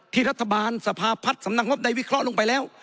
ที่รัฐบาลสภาพัฒน์สำนักงบได้วิเคราะห์ลงไปแล้ว